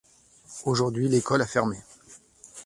Aujourd’hui, l’école a fermé.